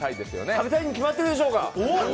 食べたいに決まってるでしょうが！